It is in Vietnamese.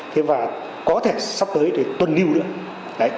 thế và có thể sắp tới để tuần lưu nữa